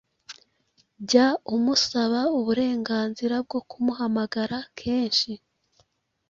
Jya umusaba uburenganzira bwo kumuhamagara kenshi